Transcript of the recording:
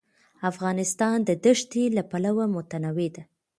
افغانستان د دښتې له پلوه متنوع دی.